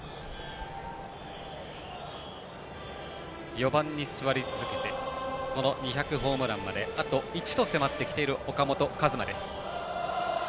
４番に座り続けてこの２００ホームランまであと１と迫ってきている岡本和真です。